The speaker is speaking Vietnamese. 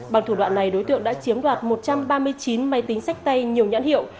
bằng thủ đoạn này đối tượng đã chiếm đoạt một trăm ba mươi chín máy tính sách tay nhiều nhãn hiệu